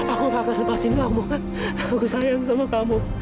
aku tak akan lepasin kamu aku sayang sama kamu